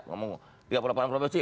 ngomong tiga puluh delapan provinsi